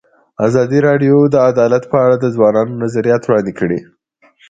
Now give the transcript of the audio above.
ازادي راډیو د عدالت په اړه د ځوانانو نظریات وړاندې کړي.